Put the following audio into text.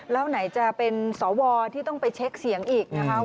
แล้วไหนจะเป็นสวที่ต้องไปเช็คเสียงอีกนะคะ